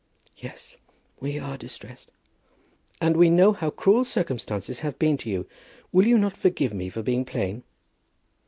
"Yes, we are distressed." "And we know how cruel circumstances have been to you. Will you not forgive me for being plain?"